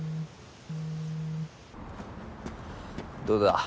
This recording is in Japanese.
どうだ？